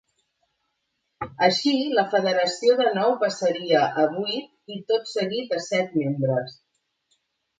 Així la federació de nou passaria a vuit i tot seguit a set membres.